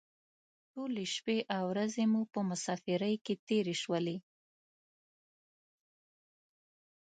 ټولې شپې او ورځې مو په مسافرۍ کې تېرې شولې.